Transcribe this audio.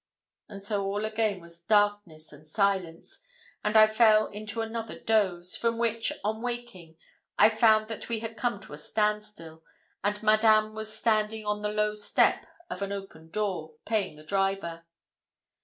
And so all again was darkness and silence, and I fell into another doze, from which, on waking, I found that we had come to a standstill, and Madame was standing on the low step of an open door, paying the driver.